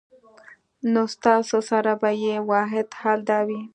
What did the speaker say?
نو ستاسو سره به ئې واحد حل دا وي